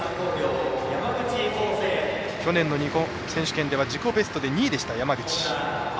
去年の選手権では自己ベストで２位の山口。